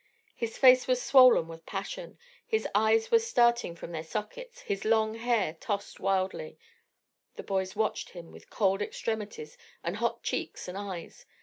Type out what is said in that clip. His face was swollen with passion, his eyes were starting from their sockets, his long hair tossed wildly. The boys watched him with cold extremities and hot cheeks and eyes.